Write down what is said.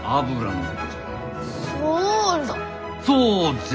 そうじゃ！